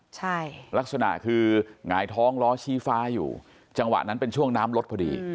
ใช่ลักษณะคือหงายท้องล้อชี้ฟ้าอยู่จังหวะนั้นเป็นช่วงน้ำรถพอดี